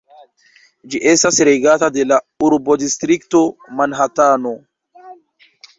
Ĝi estas regata de la urbodistrikto Manhatano.